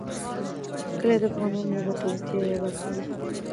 کلي د افغانانو د ګټورتیا یوه برخه ده.